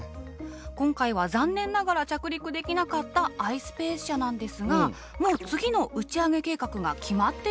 今回は残念ながら着陸できなかったｉｓｐａｃｅ社なんですがもう次の打ち上げ計画が決まっているんです。